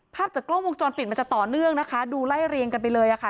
ภาพจากกล้องวงจรปิดมันจะต่อเนื่องนะคะดูไล่เรียงกันไปเลยค่ะ